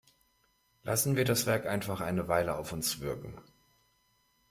Lassen wir das Werk einfach eine Weile auf uns wirken!